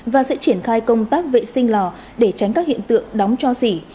và sẽ triển khai công tác vệ sinh lò để tránh các hiện tượng đóng cho xỉ